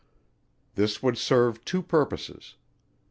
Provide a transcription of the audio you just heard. This would serve two purposes.